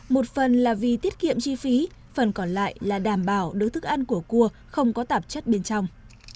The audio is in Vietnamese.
một phần là vì tiết kiệm chi phí phần còn lại là đảm bảo đứa thức ăn của cua không có tạp chất bên trong